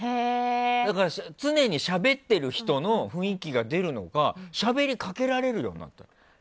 だから、常にしゃべってる人の雰囲気が出るのかしゃべりかけられるようになった。